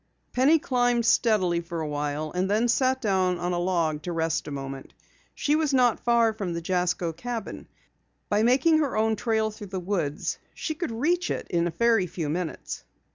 Penny climbed steadily for a time and then sat down on a log to rest a moment. She was not far from the Jasko cabin. By making her own trail through the woods she could reach it in a very few minutes.